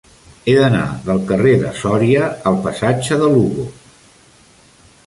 He d'anar del carrer de Sòria al passatge de Lugo.